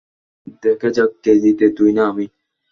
দেখা যাক, কে জিতে তুই না আমি?